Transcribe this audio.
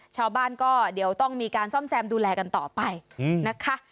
ชาวบ้านก็เดี๋ยวต้องมีการซ่อมแซมดูแลกันต่อไปนะคะ